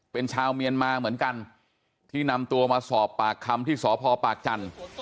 เป็นชาวเมียนมาเหมือนกันที่นำตัวมาสอบปากคำที่สพปากจันทร์